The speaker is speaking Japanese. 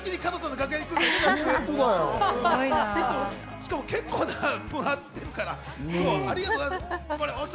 しかも、結構なものもらってるから、ありがとうございます。